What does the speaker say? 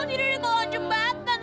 tidur di kolam jembatan